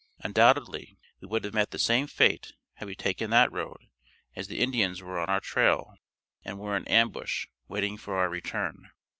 Undoubtedly we would have met the same fate had we taken that road as the Indians were on our trail and were in ambush waiting for our return.